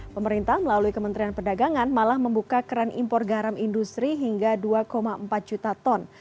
pemerintah melalui kementerian perdagangan malah membuka keran impor garam industri hingga dua empat juta ton